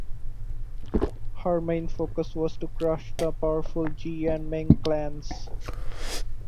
Her main focus was to crush the powerful Ji and Meng clans.